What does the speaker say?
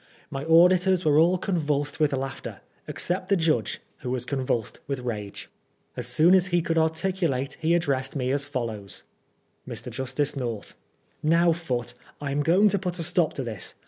My auditors were all convulsed with laughter, except the judge, who was convulsed with rage. As soon as he could articulate he addressed me as follows :—" Mr. Justice North : Now, Foote, I am going to put a stop to this.